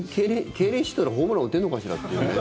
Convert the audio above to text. けいれんしてたら、ホームラン打てるのかしらっていう。